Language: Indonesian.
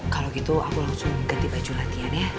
kalau gitu aku langsung ganti baju latihan ya